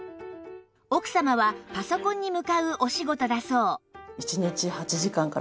奥様はパソコンに向かうお仕事だそう